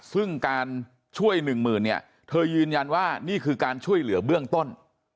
ซึ่งการช่วยหนึ่งหมื่นเนี่ยเธอยืนยันว่านี่คือการช่วยเหลือเบื้องต้น